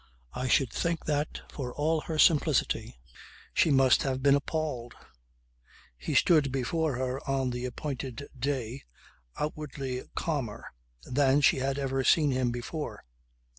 I should think that, for all her simplicity, she must have been appalled. He stood before her on the appointed day outwardly calmer than she had ever seen him before.